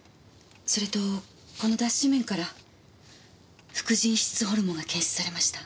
それとこの脱脂綿から副腎皮質ホルモンが検出されました。